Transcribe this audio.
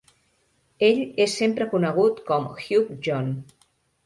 Ell és sempre conegut com "Hugh John".